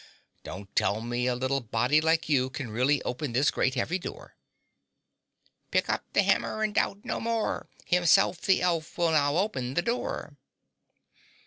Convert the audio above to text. Don't tell me a little body like you can really open this great heavy door?" "_Pick up the hammer and doubt no more Himself, the elf, will now open the door.